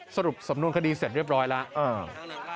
สรุปสำนวนคดีเสร็จเรียบร้อยแล้ว